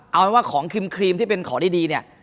เอาเป็นว่าของครีมที่เป็นของดีเนี่ย